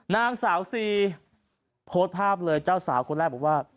นางสาวซีโพสต์ภาพเลยเจ้าสาวคนแรกบอกว่า